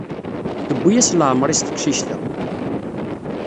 Tewwi-yas leɛmer-is teqcict-a.